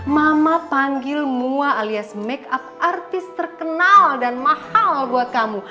mama panggil mua alias make up artis terkenal dan mahal buat kamu